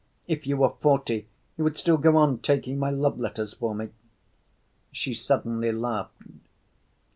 If you were forty, you would still go on taking my love‐letters for me." She suddenly laughed.